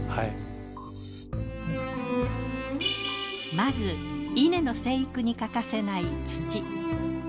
まず稲の生育に欠かせない土。